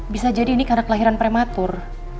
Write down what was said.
bisa jadi ini karena kelahiran prematur